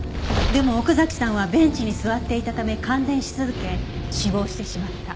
でも奥崎さんはベンチに座っていたため感電し続け死亡してしまった。